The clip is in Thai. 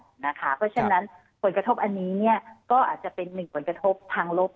เพราะฉะนั้นผลกระทบอันนี้ก็อาจจะเป็นหนึ่งผลกระทบทางลบ